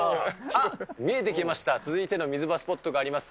あっ、見えてきました、続いての水場スポットがあります。